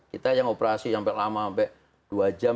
kita yang operasi sampai lama sampai dua jam